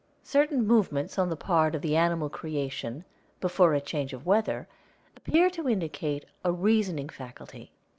= Certain movements on the part of the animal creation before a change of weather appear to indicate a reasoning faculty.